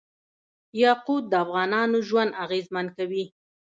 یاقوت د افغانانو ژوند اغېزمن کوي.